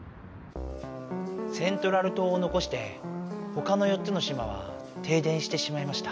セントラル島をのこしてほかの４つの島は停電してしまいました。